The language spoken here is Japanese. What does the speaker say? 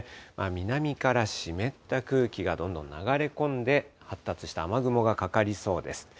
南から湿った空気がどんどん流れ込んで、発達した雨雲がかかりそうです。